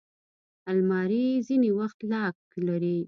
الماري ځینې وخت لاک لري